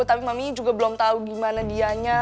tapi mami juga belum tahu gimana dianya